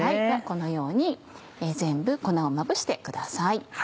このように全部粉をまぶしてください。